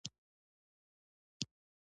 احمد په هر څه پوره او ښکلی سړی دی.